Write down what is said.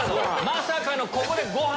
まさかのここでご飯。